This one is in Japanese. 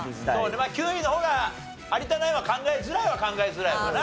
まあ９位の方が有田ナインは考えづらいは考えづらいわな。